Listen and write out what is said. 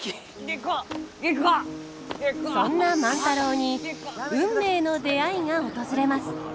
そんな万太郎に運命の出会いが訪れます。